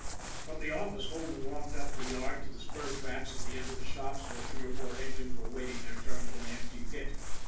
From the office Holman walked up the yard to the spur tracks at the end of the shops where three or four engines were waiting their turn for an empty pit.